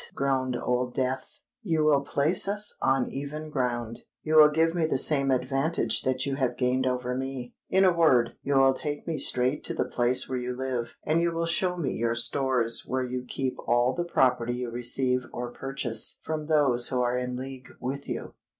groaned Old Death. "You will place us on even ground—you will give me the same advantage that you have gained over me: in a word, you will take me straight to the place where you live, and you will show me your stores where you keep all the property you receive or purchase from those who are in league with you."